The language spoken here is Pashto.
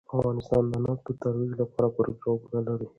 افغانستان د نفت د ترویج لپاره پروګرامونه لري.